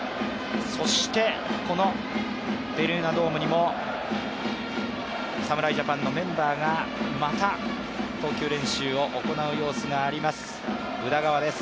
そして、このベルーナドームにも侍ジャパンのメンバーがまた投球練習を行う様子があります、宇田川です。